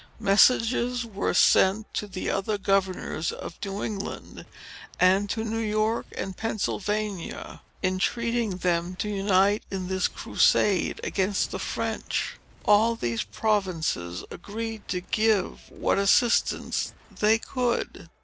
Messages were sent to the other governors of New England, and to New York and Pennsylvania, entreating them to unite in this crusade against the French. All these provinces agreed to give what assistance they could.